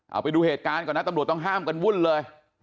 เอาไปดูเหตุการณ์ก่อนนะตำรวจต้องห้ามกันวุ่นเลย